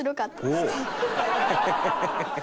ハハハハ！